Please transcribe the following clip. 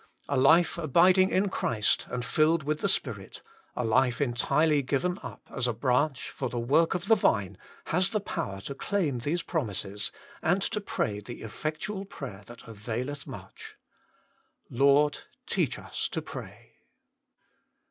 A life abiding in Christ and filled with the Spirit, a life entirely given up as a branch for the work of the vine, has the power to claim these promises and to pray the effectual prayer that availeth much. Lord, teach us to pray.